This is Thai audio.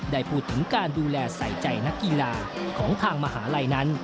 ได้พูดถึงการดูแลใส่ใจนักกีฬาของทางมหาลัยนั้น